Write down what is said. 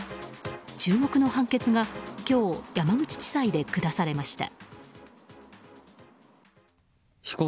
注目の判決が今日、山口地裁で下されました。